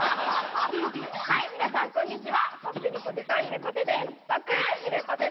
はい皆さんこんにちはゆめぽて